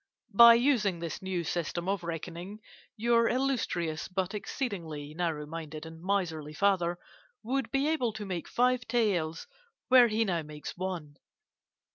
By using this new system of reckoning, your illustrious but exceedingly narrow minded and miserly father would be able to make five taels where he now makes one.